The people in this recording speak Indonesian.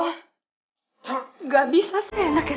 saya tidak bisa menangkapmu